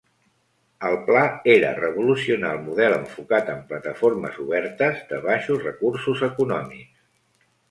El pla era revolucionar el model enfocat en plataformes obertes de baixos recursos econòmics.